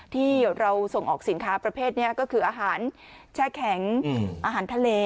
ที่เราส่งออกสินค้าประเภทนี้ก็คืออาหารแช่แข็งอาหารทะเล